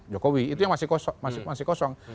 jokowi itu yang masih kosong